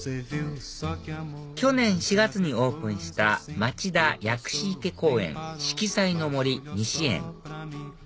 去年４月にオープンした町田薬師池公園四季彩の杜西園